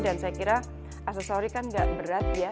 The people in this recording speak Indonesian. dan saya kira aksesori kan tidak berat ya